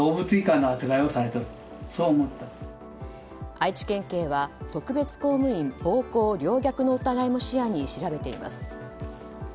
愛知県警は特別公務員暴行陵虐の疑いも視野に調べています。